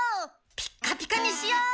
ピッカピカにしよう！